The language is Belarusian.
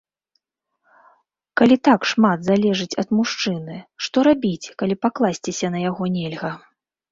Калі так шмат залежыць ад мужчыны, што рабіць, калі пакласціся на яго нельга?